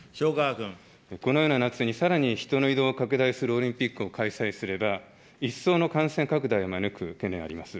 このような夏に、さらに人の移動が拡大するオリンピックを開催すれば、一層の感染拡大を招く懸念があります。